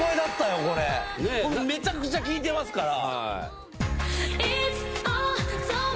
めちゃくちゃ聴いてますから。